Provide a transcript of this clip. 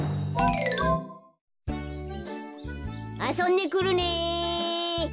・あそんでくるね！